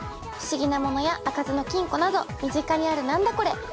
不思議なものや開かずの金庫など身近にある何だコレ！？